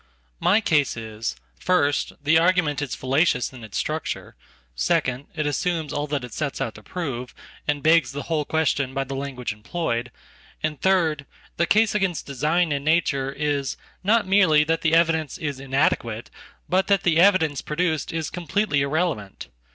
My case is, first, the argument is fallacious in itsstructure; second, it assumes all that it sets out to prove, andbegs the whole question by the language employed; and, third, thecase against design in nature is, not merely that the evidence isinadequate, but that the evidence produced is completelyirrelevant.